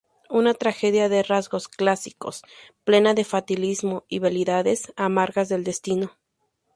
Una tragedia de rasgos clásicos, plena de fatalismo y veleidades amargas del destino.